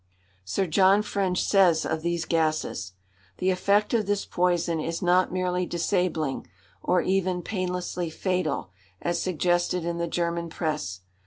Sir John French says of these gases: "The effect of this poison is not merely disabling, or even painlessly fatal, as suggested in the German press.